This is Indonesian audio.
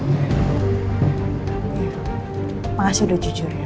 iya makasih udah jujur ya